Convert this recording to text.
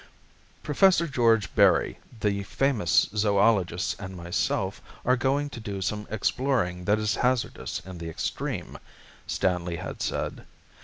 ] "Professor George Berry, the famous zoologist, and myself are going to do some exploring that is hazardous in the extreme," Stanley had said.